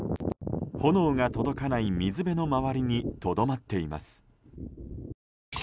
炎が届かない水辺の周りにとどまっています。